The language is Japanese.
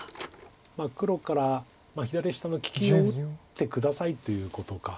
黒から左下の利きを打って下さいということか。